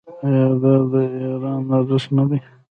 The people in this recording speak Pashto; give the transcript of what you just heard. آیا دا د ایران ارزښت نه دی؟